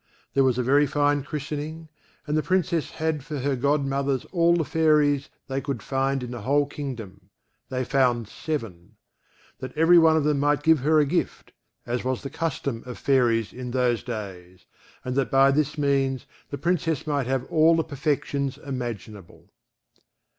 There was a very fine christening; and the Princess had for her godmothers all the Fairies they could find in the whole kingdom (they found seven), that every one of them might give her a gift, as was the custom of Fairies in those days, and that by this means the Princess might have all the perfections imaginable.